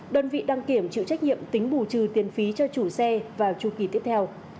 đơn vị đăng kiểm chịu trách nhiệm tính bù trừ tiền phí cho chủ xe vào chu kỳ tiếp theo